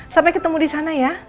sampai ketemu di sana ya